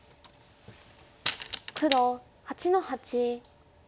黒８の八。